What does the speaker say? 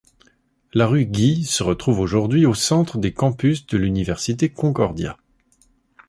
La rue Guy se retrouve aujourd'hui au centre des campus de l'Université Concordia.